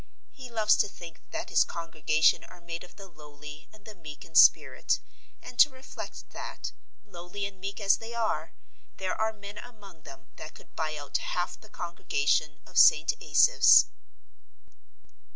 He loves to think that his congregation are made of the lowly and the meek in spirit, and to reflect that, lowly and meek as they are, there are men among them that could buy out half the congregation of St. Asaph's.